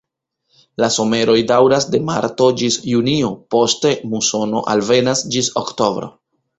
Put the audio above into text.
La someroj daŭras de marto ĝis junio, poste musono alvenas ĝis oktobro.